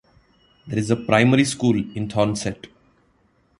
There is a primary school in Thornsett.